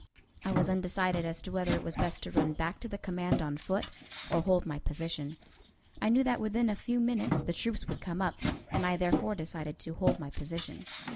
I was undecided as to whether it was best to run back to the command on foot or hold my position. I knew that within a few minutes the troops would come up, and I therefore decided to hold my position.